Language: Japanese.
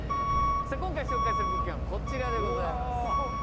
今回紹介する物件はこちらでございます。